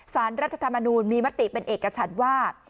รัฐธรรมนูลมีมติเป็นเอกฉันว่า